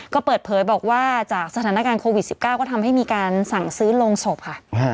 ก็เปิดเผยบอกว่าจากสถานการณ์โควิด๑๙ก็ทำให้มีการสั่งซื้อโรงศพค่ะ